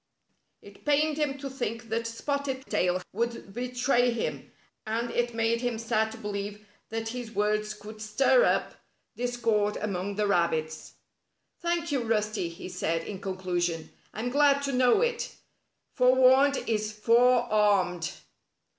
It pained him to think that Spotted Tail would betray him, and it made him sad to believe that his words could stir up discord among the rab bits. "Thank you, Rusty," he said in conclusion. "I'm glad to know it. Forewarned is fore armed."